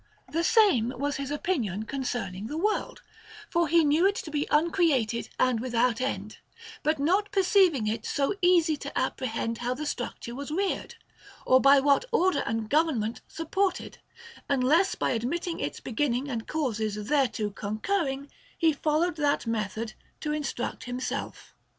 The same was his opinion concerning the world ; for he knew it to be uncreated and without end, but not perceiv ing it so easy to apprehend how the structure was reared, or by what order and government supported, unless by ad mitting its beginning and the causes thereto concurring, he followed that method to instruct himself.